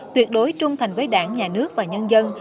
tuyệt đối trung thành với đảng nhà nước và nhân dân